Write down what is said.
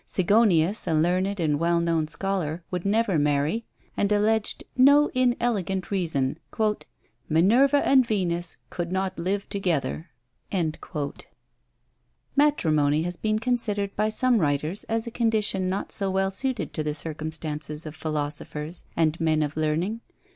Sigonius, a learned and well known scholar, would never marry, and alleged no inelegant reason; "Minerva and Venus could not live together." Matrimony has been considered by some writers as a condition not so well suited to the circumstances of philosophers and men of learning.